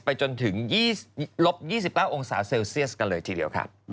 จนถึงลบ๒๙องศาเซลเซียสกันเลยทีเดียวค่ะ